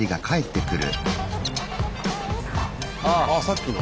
あさっきの？